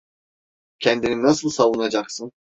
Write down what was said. Kendini nasıl savunacaksın?